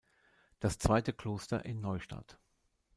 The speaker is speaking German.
Das zweite Kloster in Neustadt.